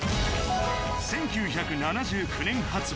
１９７９年発売